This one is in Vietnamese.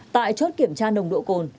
tại chốt kiểm tra nồng độ cồn